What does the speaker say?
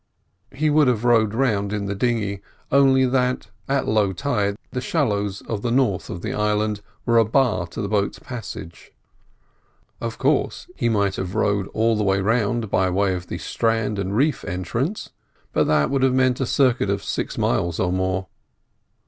He would have rowed round in the dinghy, only that at low tide the shallows of the north of the island were a bar to the boat's passage. Of course he might have rowed all the way round by way of the strand and reef entrance, but that would have meant a circuit of six miles or more.